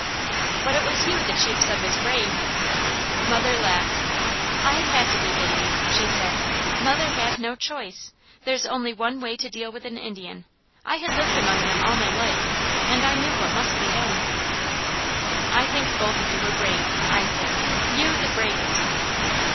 "But it was you, the chief said was brave!" Mother laughed. "I had to be, baby," she said. "Mother had no choice. There's only one way to deal with an Indian. I had lived among them all my life, and I knew what must be done." "I think both of you were brave," I said, "you, the bravest!"